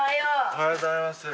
おはようございます。